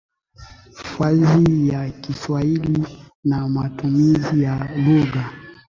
fasihi ya Kiswahili na matumizi ya lugha